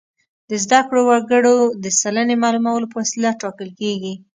د زده کړو وګړو د سلنې معلومولو په وسیله ټاکل کیږي.